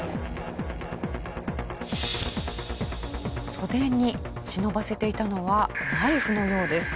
袖に忍ばせていたのはナイフのようです。